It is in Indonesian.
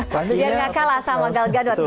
biar gak kalah sama gal gadot